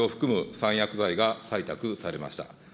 ３薬剤が採択されました。